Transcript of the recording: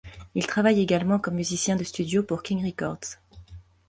Il travaille également comme musicien de studio pour King Records.